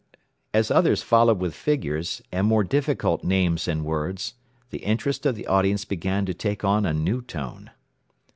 As others followed with figures, and more difficult names and words, the interest of the audience began to take on a new tone.